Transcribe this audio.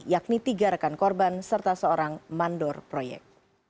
yakni tiga rekan korban serta seorang mandor proyek